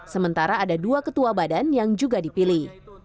sementara ada dua ketua badan yang juga dipilih